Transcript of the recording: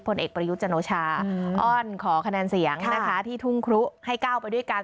ผลเอกประยุทธ์จันโอชาอ้อนขอคะแนนเสียงนะคะที่ทุ่งครุให้ก้าวไปด้วยกัน